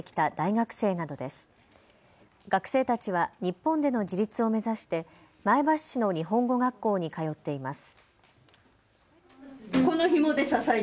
学生たちは日本での自立を目指して前橋市の日本語学校に通っています。